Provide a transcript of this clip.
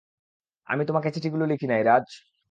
আমি তোমাকে চিঠিগুলো লিখিনাই, রাজ।